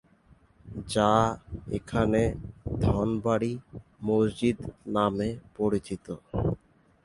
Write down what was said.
যা এখানে ধনবাড়ী মসজিদ নামে পরিচিত।